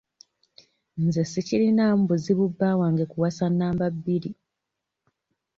Nze sikirinaamu buzibu bba wange kuwasa namba bbiri.